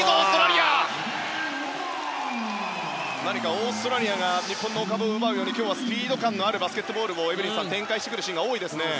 オーストラリアが日本のお株を奪うように今日はスピード感のあるバスケットボールをエブリンさん、展開するシーンが多いですね。